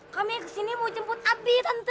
kami kesini mau jemput abi tante